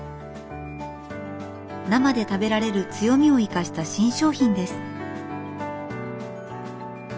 生で食べられる強みを生かした新商品です。